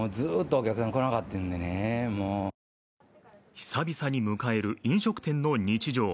久々に迎える飲食店の日常。